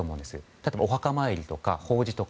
例えば、お墓参り、法事とか。